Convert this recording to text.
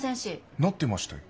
なってましたよ。